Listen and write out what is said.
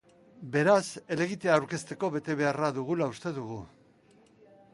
Beraz, helegitea aurkezteko betebeharra dugula uste dugu.